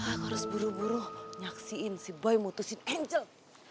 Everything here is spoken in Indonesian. aku harus buru buru nyaksiin si boy mutusin angel